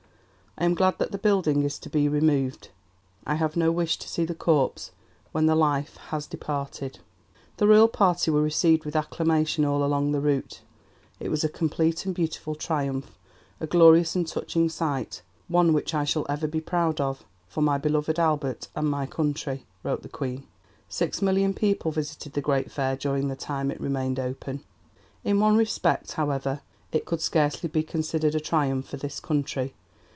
I am glad that the building is to be removed. I have no wish to see the corpse when the life has departed." The Royal Party were received with acclamation all along the route. "It was a complete and beautiful triumph, a glorious and touching sight, one which I shall ever be proud of for my beloved Albert and my country," wrote the Queen. Six million people visited the Great Fair during the time it remained open. In one respect, however, it could scarcely be considered a triumph for this country.